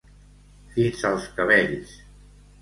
Fins als cabells.